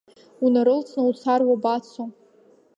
Унарылҵны уцар уабацо?